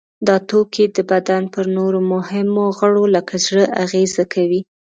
دا توکي د بدن پر نورو مهمو غړو لکه زړه اغیزه کوي.